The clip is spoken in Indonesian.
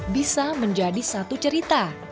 bisa menjadi satu cerita